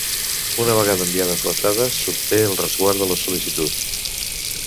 Una vegada enviades les dades s'obté el resguard de la sol·licitud.